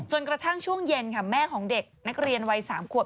กระทั่งช่วงเย็นค่ะแม่ของเด็กนักเรียนวัย๓ขวบ